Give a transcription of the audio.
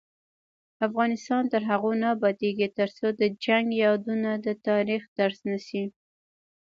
افغانستان تر هغو نه ابادیږي، ترڅو د جنګ یادونه د تاریخ درس نشي.